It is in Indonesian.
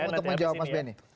untuk menjawab mas benny